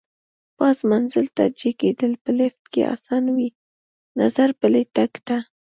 پاس منزل ته جګېدل په لېفټ کې اسان وي، نظر پلي تګ ته.